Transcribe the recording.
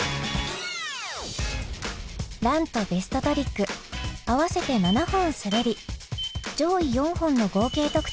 ランとベストトリック合わせて７本滑り上位４本の合計得点で順位が決まります。